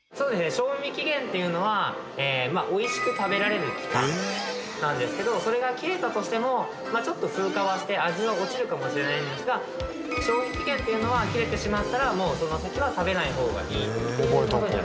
賞味期限っていうのは美味しく食べられる期間なんですけどそれが切れたとしてもちょっと風化はして味は落ちるかもしれないんですが消費期限というのは切れてしまったらもうその先は食べない方がいいっていう事になりますね。